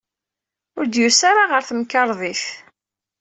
Ur d-yusi ara ɣer temkarḍit.